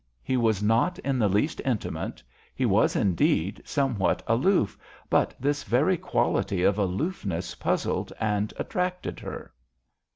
He was not in the least intimate; he was, indeed, somewhat aloof, but this very quality of aloofness puzzled and attracted her.